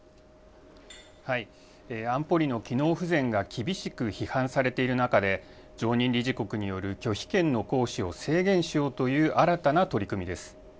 安保理の機能不全が厳しく批判されている中で、常任理事国による拒否権の行使を制限しようという新たな取り組みです。